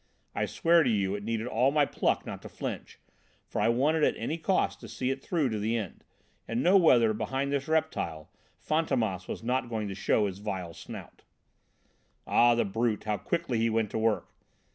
I swear to you it needed all my pluck not to flinch, for I wanted at any cost to see it through to the end, and know whether, behind this reptile, Fantômas was not going to show his vile snout. "Ah, the brute, how quickly he went to work.